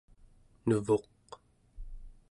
nevuq